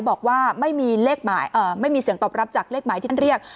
บอกว่าไม่มีเสียงตอบรับจากเลขหมายที่เรียก